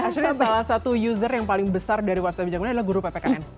actually salah satu user yang paling besar dari website bijak memilih adalah guru ppkn